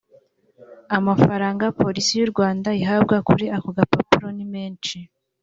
amafaranga police y’u rwanda ihabwa kuri ako gapapuro ni menshi